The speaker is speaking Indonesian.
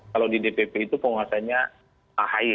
kalau di dpp itu penguasanya ahy